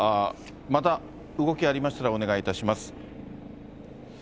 また動きありましたらお願いいたします。